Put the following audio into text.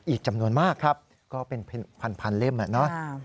อีกจำนวนมากครับก็เป็นพันเล่มอะเนาะ